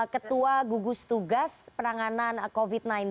ketua gugus tugas penanganan covid sembilan belas